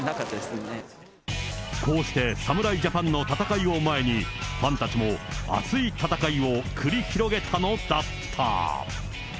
こうして、侍ジャパンの戦いを前に、ファンたちも熱い戦いを繰り広げたのだった。